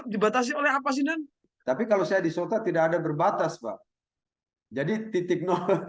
dibatasi oleh apa sih tapi kalau saya disolta tidak ada berbatas pak jadi titik